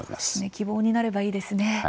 希望になればいいですね。